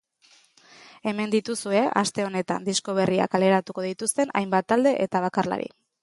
Hemen dituzue aste honetan disko berriak kaleratuko dituzten hainbat talde eta bakarlari.